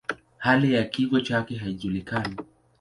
Hali ya kifo chake haijulikani.